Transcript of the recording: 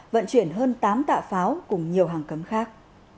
vận chuyển hơn tám tạ pháo cùng nhiều hàng cấm khác